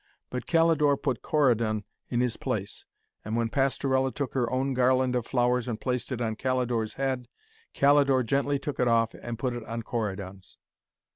But Calidore put Corydon in his place, and when Pastorella took her own garland of flowers and placed it on Calidore's head, Calidore gently took it off and put it on Corydon's.